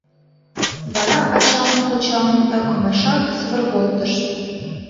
Вара ачамым-кочамым ӧкымешак сывырголтышт.